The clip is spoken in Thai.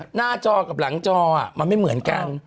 หน้าจอกับหลังจอมันไม่เหมือนกัน